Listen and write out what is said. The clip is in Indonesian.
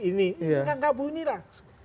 ini yang gak bunyi lah